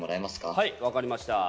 はい分かりました。